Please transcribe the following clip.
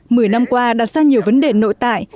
mười năm qua đặt ra nhiều vấn đề nội tại